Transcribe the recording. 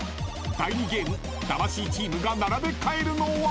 ［第２ゲーム魂チームが並べ替えるのは］